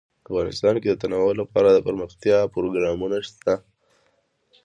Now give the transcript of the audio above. افغانستان کې د تنوع لپاره دپرمختیا پروګرامونه شته.